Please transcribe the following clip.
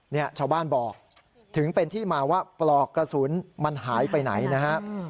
เนี่ยชาวบ้านบอกถึงเป็นที่มาว่าปลอกกระสุนมันหายไปไหนนะฮะ